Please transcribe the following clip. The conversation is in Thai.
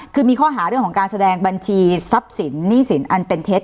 คือมีข้อหาเรื่องของการแสดงบัญชีทรัพย์สินหนี้สินอันเป็นเท็จ